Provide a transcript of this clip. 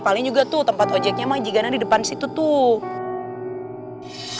paling juga tuh tempat ojeknya majikannya di depan situ tuh